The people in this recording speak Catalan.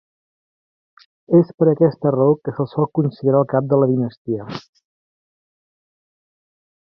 És per aquesta raó que se'l sol considerar el cap de la dinastia.